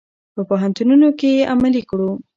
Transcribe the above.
په پوهنتونونو کې یې علمي کړو.